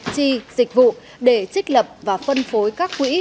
chi dịch vụ để trích lập và phân phối các quỹ